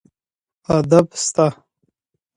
ادب سته.